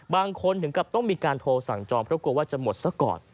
ถึงกับต้องมีการโทรสั่งจองเพราะกลัวว่าจะหมดซะก่อน